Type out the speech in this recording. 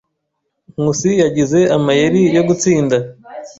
Nkusi yagize amayeri yo gutsinda.